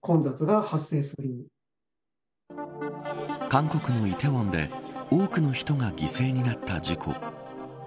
韓国の梨泰院で多くの人が犠牲になった事故。